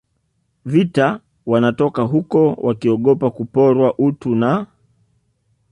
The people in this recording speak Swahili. vita wanatoka huko wakiogopa kuporwa utu na